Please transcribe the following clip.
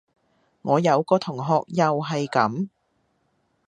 我有個同學又係噉